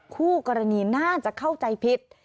คู่กรณีน่าจะเข้าใจผิด